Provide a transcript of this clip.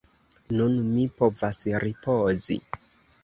Nun mi povas ripozi.